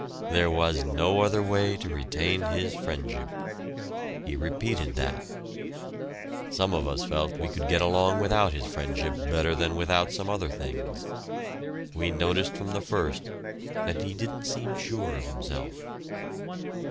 There was no other way to retain his friendship. He repeated that. Some of us felt we could get along without his friendship better than without some other things. We noticed from the first that he didn't seem sure of himself.